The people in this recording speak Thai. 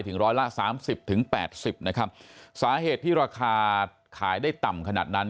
ร้อยละสามสิบถึงแปดสิบนะครับสาเหตุที่ราคาขายได้ต่ำขนาดนั้น